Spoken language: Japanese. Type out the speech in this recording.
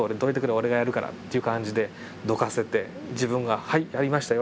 俺がやるからっていう感じでどかせて自分がはいやりましたよ